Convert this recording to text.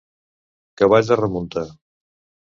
Cavall de remunta.